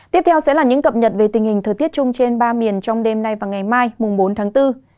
tiếp theo sẽ là những cập nhật về tình hình thời tiết chung trên ba miền trong đêm nay và ngày mai bốn tháng bốn